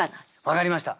分かりました。